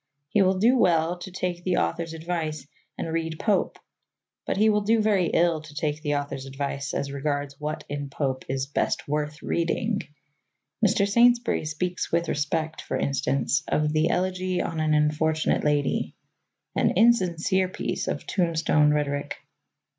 He will do well to take the author's advice and read Pope, but he will do very ill to take the author's advice as regards what in Pope is best worth reading. Mr. Saintsbury speaks with respect, for instance, of the Elegy on an Unfortunate Lady an insincere piece of tombstone rhetoric.